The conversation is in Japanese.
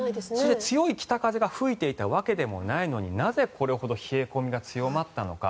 強い北風が吹いていたわけでもないのになぜ、これほど冷え込みが強まったのか。